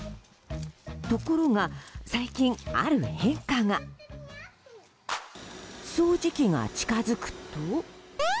ところが最近、ある変化が。掃除機が近づくと。